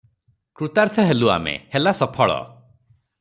କୃତାର୍ଥ ହେଲୁ ଆମେ ହେଲା ସଫଳ-